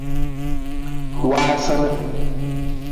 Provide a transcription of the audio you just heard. Waasar.